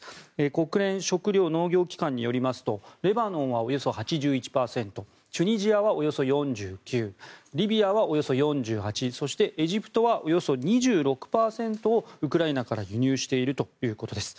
国連食糧農業機関によりますとレバノンはおよそ８１％チュニジアはおよそ４９リビアはおよそ４８そして、エジプトはおよそ２６％をウクライナから輸入しているということです。